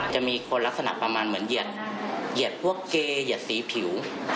จะมีคนลักษณะประมาณเหมือนเหยียดพวกเกเหยียดสีผิว